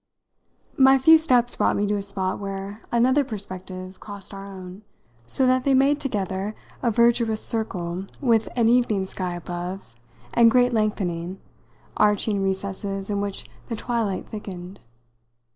My few steps brought me to a spot where another perspective crossed our own, so that they made together a verdurous circle with an evening sky above and great lengthening, arching recesses in which the twilight thickened.